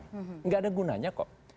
tidak ada gunanya kok